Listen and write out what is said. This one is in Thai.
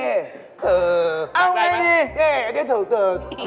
เอ้าไม่มีเย่อันนี้ถูก